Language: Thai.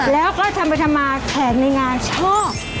แล้วก็ทำไปทำมาแขกในงานชอบ